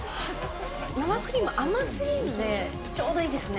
生クリーム、甘すぎないのでちょうどいいですね。